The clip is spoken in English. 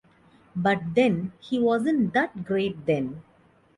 But then, he wasn't that great then.